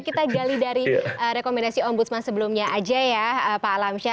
kita gali dari rekomendasi ombudsman sebelumnya aja ya pak alamsyah